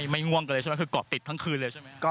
ไม่ง่วงกันเลยใช่ไหมคือกอตติดทั้งคืนเลยใช่ไหมครับ